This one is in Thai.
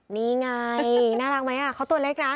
นี่ไงน่ารักไหมเขาตัวเล็กนะ